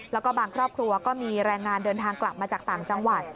แล้วก็บางครอบครัวก็มีแรงงานเดินทางกลับมาจากต่างจังหวัด